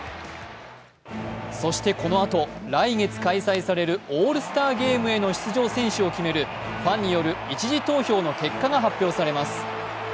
そしてこのあと、来月開催されるオールスターゲームへの出場選手を決めるファンによる１次投票の結果が発表されます。